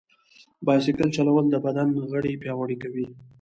بایسکل چلول د بدن غړي پیاوړي کوي.